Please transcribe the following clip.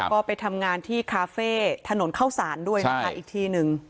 ก็ไปทำงานที่คาเฟ่ถนนเข้าสารด้วยนะคะอีกที่หนึ่ง